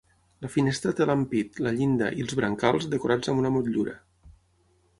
La finestra té l'ampit, la llinda i els brancals decorats amb una motllura.